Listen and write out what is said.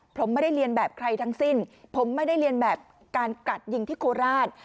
ผมไม่ได้เรียนแบบใครทั้งสิ้นผมไม่ได้เรียนแบบการกัดยิงที่โคราช